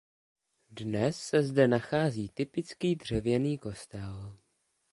Dnes se zde nachází typický dřevěný kostel.